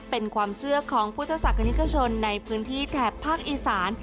เป็นความเชื่อของผู้เจ้าศักดิ์นิกชนในพื้นที่แถบภาคอีสาน